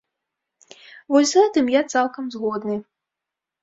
Вось з гэтым я цалкам згодны.